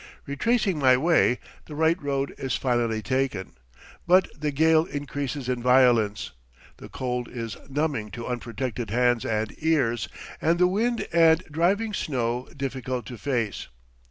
Retracing my way, the right road is finally taken; but the gale increases in violence, the cold is numbing to unprotected hands and ears, and the wind and driving snow difficult to face.